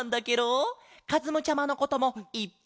かずむちゃまのこともいっぱいしりたいケロ。